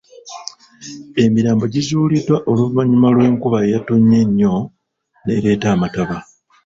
Emirambo gizuuliddwa oluvannyuma lw'enkuba eyatonnye ennyo n'ereeta amataba.